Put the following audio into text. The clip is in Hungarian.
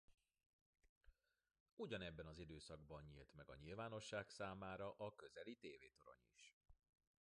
Ugyanebben az időszakban nyílt meg a nyilvánosság számára a közeli tévétorony is.